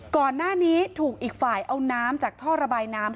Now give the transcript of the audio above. ก่อนหน้านี้ถูกอีกฝ่ายเอาน้ำจากท่อระบายน้ำ